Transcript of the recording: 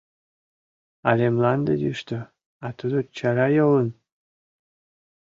Але мланде йӱштӧ, а тудо чара йолын!